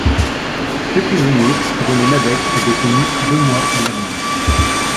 Fait prisonnier, René Madec est détenu deux mois en Irlande.